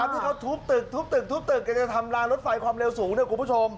ที่เขาทุบตึกกันจะทำลานรถไฟความเร็วสูง